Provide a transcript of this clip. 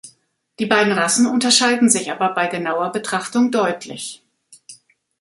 Die beiden Rassen unterscheiden sich aber bei genauer Betrachtung deutlich.